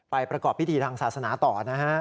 ประกอบพิธีทางศาสนาต่อนะฮะ